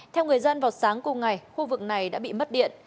theo người dân vào sáng cùng ngày khu vực này đã bị mất điện